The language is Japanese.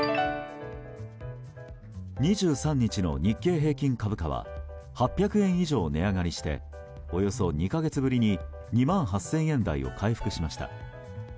２３日の日経平均株価は８００円以上値上がりしておよそ２か月ぶりに２万８０００円台を回復しました。